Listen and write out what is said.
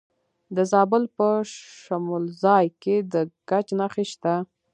د زابل په شمولزای کې د ګچ نښې شته.